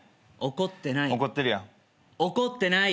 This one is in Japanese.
怒ってない。